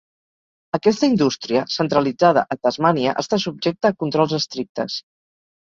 Aquesta indústria, centralitzada a Tasmània, està subjecta a controls estrictes.